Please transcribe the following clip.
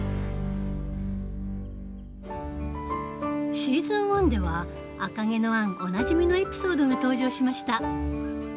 シーズン１では「赤毛のアン」おなじみのエピソードが登場しました。